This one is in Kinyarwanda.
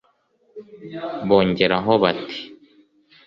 bongeraho bati